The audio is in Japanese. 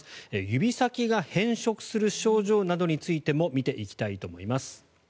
指先が変色する症状などについても見ていきたいと思います。